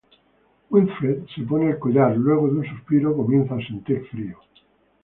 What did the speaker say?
Wilfred se pone el collar, luego de un suspiro comienza a sentir frío.